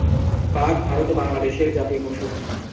বাঘ ভারত ও বাংলাদেশের জাতীয় পশু।